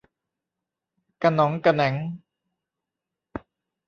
กะหน็องกะแหน็ง